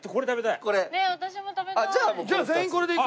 私も食べたい。